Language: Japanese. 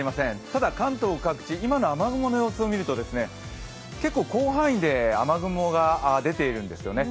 ただ関東各地、今の雨雲の様子を見ると結構、広範囲で雨雲が出ているんですよね。